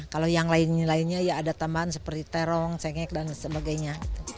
kalau yang lainnya ya ada tambahan seperti terong cengek dan sebagainya